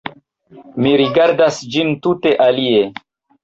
Mi rigardas ĝin tute alie.